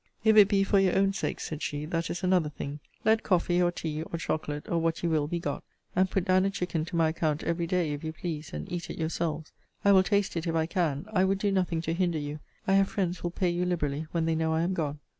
If it be for your own sakes, said she, that is another thing: let coffee, or tea, or chocolate, or what you will, be got: and put down a chicken to my account every day, if you please, and eat it yourselves. I will taste it, if I can. I would do nothing to hinder you. I have friends will pay you liberally, when they know I am gone.